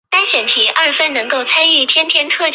其中里杜湖是慈溪市最大的饮用水源水库。